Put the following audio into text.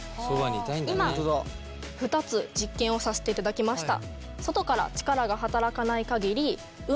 今２つ実験をさせていただきました。